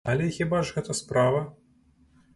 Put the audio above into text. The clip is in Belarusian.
Але хіба ж гэта справа?